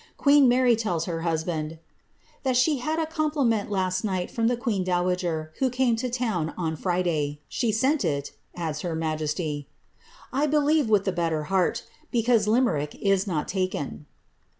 Queen Mary tells her husband, ^ that she had a com pliment last night from the queen dowager, who came to town on Fri day. She sent it,'^ adds her majesty, ^* I believe, with the better heaitt because Limerick is not taken.